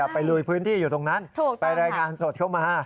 ลุยพื้นที่อยู่ตรงนั้นไปรายงานสดเข้ามา